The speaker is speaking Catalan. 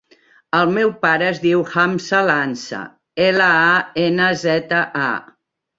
El meu pare es diu Hamza Lanza: ela, a, ena, zeta, a.